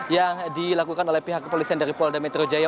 yang dilakukan oleh pihak kepolisian dari polda metro jaya